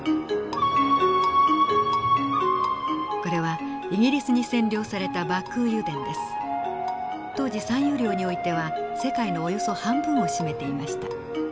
これはイギリスに占領された当時産油量においては世界のおよそ半分を占めていました。